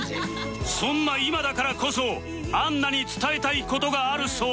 そんな今だからこそ杏奈に伝えたい事があるそうで